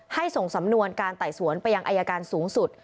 ส่งสำนวนการไต่สวนไปยังอายการสูงสุด